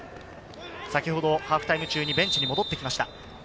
ハーフタイム中にベンチに戻ってきました。